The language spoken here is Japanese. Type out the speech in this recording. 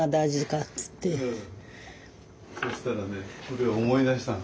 そしたらねこれ思い出したの。